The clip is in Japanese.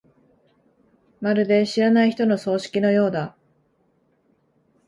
まるで知らない人の葬式のようだ。